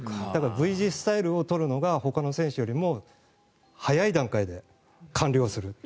だから、Ｖ字スタイルを取るのがほかの選手よりも早い段階で完了する。